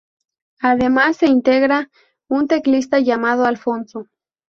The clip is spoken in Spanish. Además, se integra un teclista, llamado Alfonso.